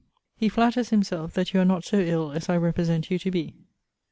He flatters himself that you are not so ill as I represent you to be.